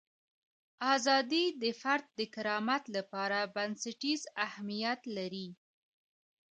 ازادي د فرد د کرامت لپاره بنسټیز اهمیت لري.